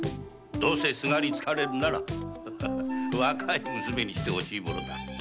すがりつかれるなら若い娘にして欲しいものだ。